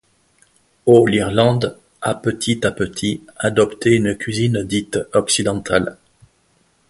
Au l’Irlande a petit à petit adopté une cuisine dite occidentale.